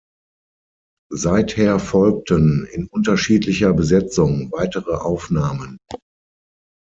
Seither folgten, in unterschiedlicher Besetzung, weitere Aufnahmen.